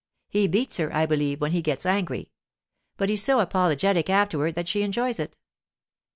He beats her, I believe, when he gets angry; but he's so apologetic afterward that she enjoys it.